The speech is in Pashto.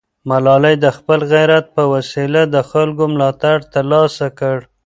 ملالۍ د خپل غیرت په وسیله د خلکو ملاتړ ترلاسه کړ.